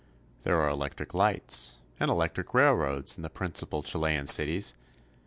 There are electric lights and electric railroads in the principal Chilean cities.